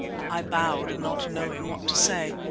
I bowed, not knowing what to say.